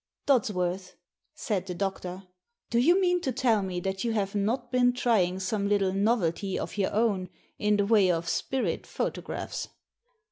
" Dodsworth," said the doctor, " do you mean to tell me that you have not been trying some little novelty of your own in the way of spirit photo graphs?"